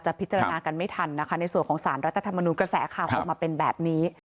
พิจารณากันไม่ทันนะคะในส่วนของสารรัฐธรรมนุนกระแสข่าวออกมาเป็นแบบนี้